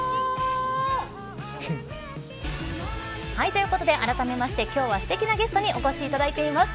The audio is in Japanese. ということで、あらためまして今日は、すてきなゲストにお越しいただいています。